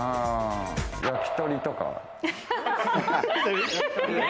焼き鳥とか？